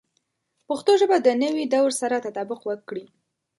پښتو ژبه د نوي دور سره تطابق وکړي.